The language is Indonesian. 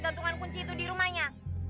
gantungan kunci itu di rumahnya